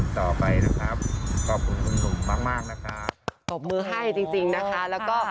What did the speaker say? สอบมือให้จริงนะคะแล้วก็